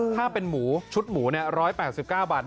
ถ้าเป็นหมูชุดหมู๑๘๙บาท